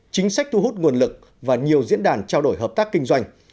chính sách thu hút nguồn lực và nhiều diễn đàn trao đổi hợp tác kinh doanh